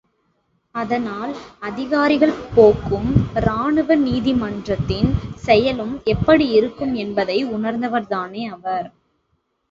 அதனால் அதிகாரிகள் போக்கும், ராணுவ நீதி மன்றத்தின் செயலும் எப்படி இருக்கும் என்பதை உணர்ந்தவர் தானே அவர்?